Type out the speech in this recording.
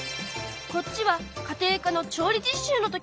こっちは家庭科の調理実習の時のもの。